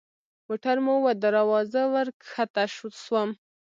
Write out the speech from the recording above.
موټر مو ودراوه زه ورکښته سوم.